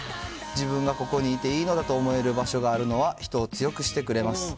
自分がここにいていいのだと思える場所があるのは、人を強くしてくれます。